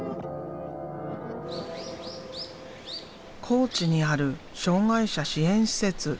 高知にある障害者支援施設